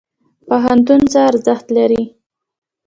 پوهنتون څه ارزښت لري؟